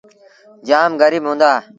جآم گريٚب هُݩدآ۔